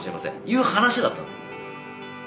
いう話だったんです。